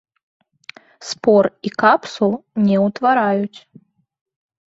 Спор і капсул не ўтвараюць.